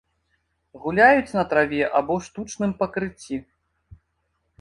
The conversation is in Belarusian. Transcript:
Гуляюць на траве або штучным пакрыцці.